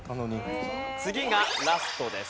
次がラストです。